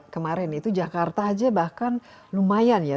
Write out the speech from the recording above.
kemarin itu jakarta aja bahkan lumayan ya